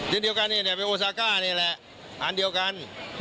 เช่นเดียวกันเป็นโอซาก้านี่แหละอันเดียวกัน